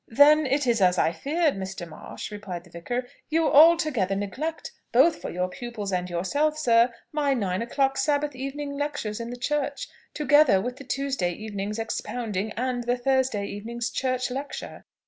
"Then it is as I feared, Mr. Marsh," replied the vicar: "you altogether neglect, both for your pupils and yourself, sir, my nine o'clock Sabbath evening lecture in the church, together with the Tuesday evening's expounding and the Thursday evening's church lecture.